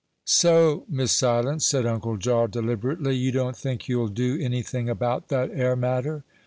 "So, Miss Silence," said Uncle Jaw, deliberately, "you don't think you'll do any thing about that 'ere matter."